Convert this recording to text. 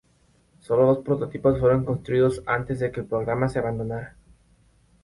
Sólo dos prototipos fueron construidos antes de que el programa se abandonara.